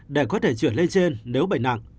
để có thể chuyển lên trên nếu bệnh nặng